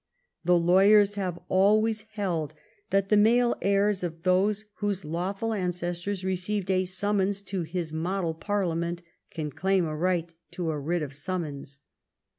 The lawyers have always held that the male heirs of those whose lawful ancestors received a summons to his model parliament can claim a right to a writ of summons.